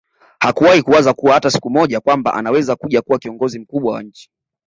Hakuwai kuwaza kuwa hata siku moja kwamba anaweza kuja kuwa kiongozi mkubwa wa nchi